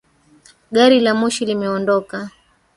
Gari la moshi limeondoka.